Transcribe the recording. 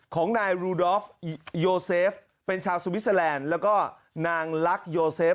ของนายลูดอลฟยอเซฟเป็นชาวโซวิสเซแลนด์แล้วก็นางลักยอเซฟ